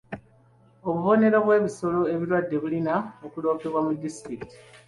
Obubonero bw'ebisolo ebirwadde bulina okuloopebwa ku disitulikiti.